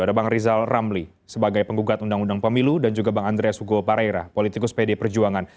ada bang rizal ramli sebagai penggugat undang undang pemilu dan juga bang andreas hugo pareira politikus pd perjuangan